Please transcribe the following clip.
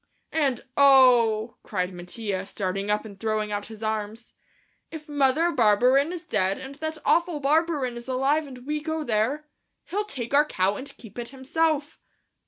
"And, oh," cried Mattia, starting up and throwing out his arms, "if Mother Barberin is dead and that awful Barberin is alive and we go there, he'll take our cow and keep it himself."